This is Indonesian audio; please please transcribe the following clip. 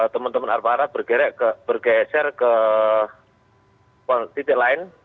teman teman aparat bergeser ke titik lain